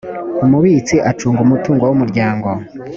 umubitsi acunga umutungo w’umuryango